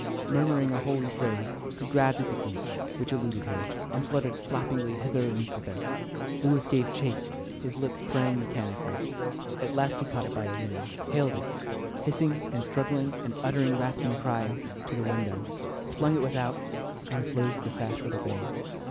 Murmuring a holy phrase, he grabbed at the goose, which eluded him, and fluttered flappingly hither and thither. Lewis gave chase, his lips praying mechanically. At last he caught it by a wing, haled it, hissing and struggling and uttering rasping cries, to the window, flung it without, and closed the sash with a bang.